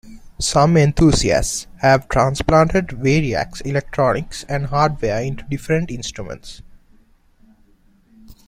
Some enthusiasts have transplanted Variax electronics and hardware into different instruments.